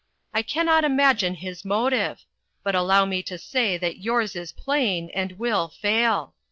I can not imagine his motive ; but allow me to say that yours is plain, and will fail.